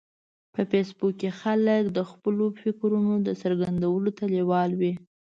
په فېسبوک کې خلک د خپلو فکرونو څرګندولو ته لیوال وي